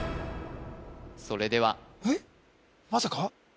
それではえっまさか？